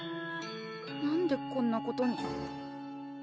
何でこんなことに。